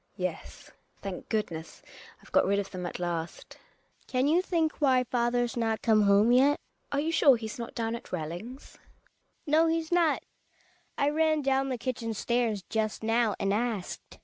Yes, thank goodness, I've got rid of them at last. Hedvig. Can you think why father's not come home yet? Gina. Are you sure he's not down at Rellings ? Hedvig. No, he's not; I ran down the kitchen stairs just now and asked.